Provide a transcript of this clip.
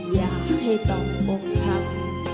อย่าให้ต้องอมพัก